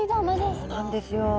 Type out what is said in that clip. そうなんですよ。